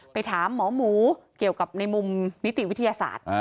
ถามหมอหมูเกี่ยวกับในมุมนิติวิทยาศาสตร์